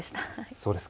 そうですか。